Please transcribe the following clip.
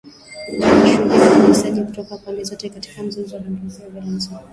“Tunashuhudia unyanyasaji kutoka pande zote katika mzozo” aliongeza Valentine